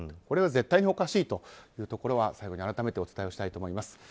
これは絶対におかしいということは最後に改めてお伝えしたいと思います。